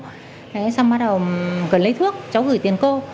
thế xong bắt đầu cần lấy thuốc cháu gửi tiền cô